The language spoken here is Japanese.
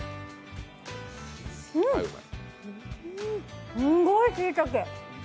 うん、すんごいしいたけ。